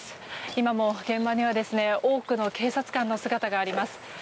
今も現場には多くの警察官の姿があります。